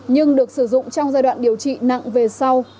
nhưng được sử dụng trong giai đoạn điều trị nặng về sau